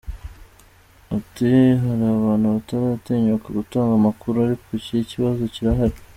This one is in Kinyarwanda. Ati"Hari abantu bataratinyuka gutanga amakuru, ariko iki kibazo kirahari.